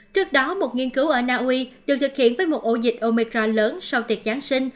trước đó một nghiên cứu ở naui được thực hiện với một ổ dịch omicra lớn sau tiệc giáng sinh